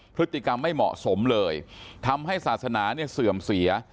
พฤติกรรมไม่เหมาะสมเลยทำให้ศาสนาเนี่ยเสื่อมเสีย